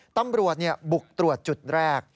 ตำรวจบุกตรวจจุดแรก